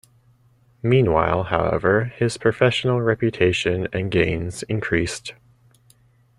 Meanwhile, however, his professional reputation and gains increased.